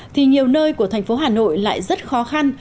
thì nhiều nơi của thành phố hà nội lại rất khó khăn